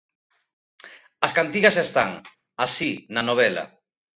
As cantigas están, así, na novela.